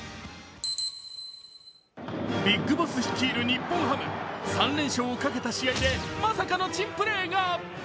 ＢＩＧＢＯＳＳ率いる日本ハム。３連勝をかけた試合で、まさかの珍プレーが。